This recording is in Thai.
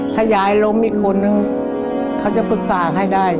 ถ้ายายล้มอีกคนนึงเขาจะปรึกษาใครได้